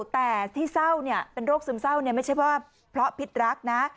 แต่ที่เศร้าเนี่ยเป็นโรคซึมเศร้าเนี่ยไม่ใช่ว่าเพราะพิษรักนะ